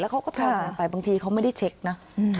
แล้วเขาก็พอไปบางทีเขาไม่ได้เช็คนะ